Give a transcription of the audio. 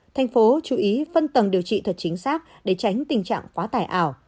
thành phố chú ý phân tầng điều trị thật chính xác để tránh tình trạng quá tải ảo